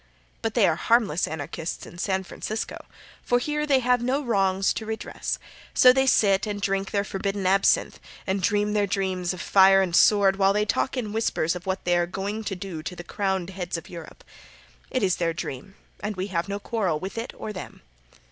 But they are harmless Anarchists in San Francisco, for here they have no wrongs to redress, so they sit and drink their forbidden absinthe, and dream their dreams of fire and sword, while they talk in whispers of what they are going to do to the crowned heads of Europe. It is their dream and we have no quarrel with it or them.